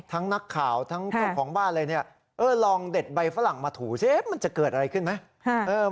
นักข่าวทั้งเจ้าของบ้านอะไรเนี่ยเออลองเด็ดใบฝรั่งมาถูสิมันจะเกิดอะไรขึ้นไหม